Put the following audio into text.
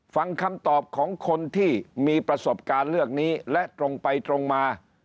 ฟังคำตอบของคนที่มีประสบการณ์เรื่องนี้และตรงไปตรงมา